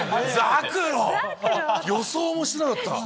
予想もしてなかった。